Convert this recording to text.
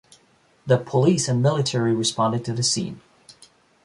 The police and military responded to the scene.